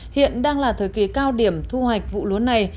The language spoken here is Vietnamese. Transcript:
hiện đang là thời kỳ cao điểm thu hoạch vụ lúa này